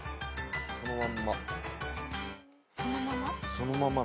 そのまま？